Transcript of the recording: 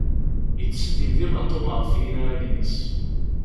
Yettsellim dima Tom ɣef yinaragen-is.